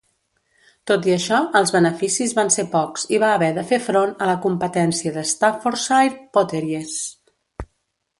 Tot i això, els beneficis van ser pocs i va haver de fer front a la competència de Staffordshire Potteries.